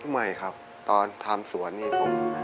ไม่ครับตอนทำสวนนี่ผม